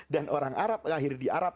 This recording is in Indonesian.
dan orang arab lahir di arab